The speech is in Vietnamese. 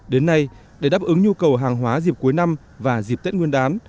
đến nay để đáp ứng nhu cầu hàng hóa dịp cuối năm và dịp tết nguyên đán